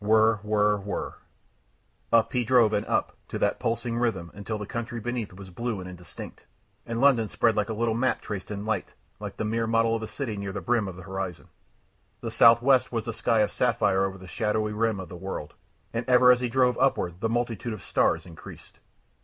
Whirr, whirr, whirr. Up he drove and up, to that pulsating rhythm, until the country beneath was blue and indistinct, and London spread like a little map traced in light, like the mere model of a city near the brim of the horizon. The southwest was a sky of sapphire over the shadowy rim of the world, and ever as he drove upward the multitude of stars increased.